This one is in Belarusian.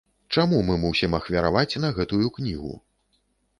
Чаму мы мусім ахвяраваць на гэтую кнігу?